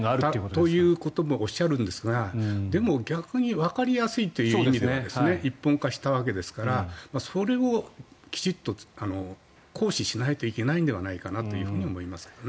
ということもおっしゃるんですがでも、逆にわかりやすいという意味で一本化したわけですからそれをきちんと行使しないといけないのではないかなと思いますけどね。